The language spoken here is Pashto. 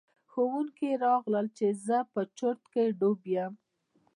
ښوونکي راغلل چې زه په چرت کې ډوب یم.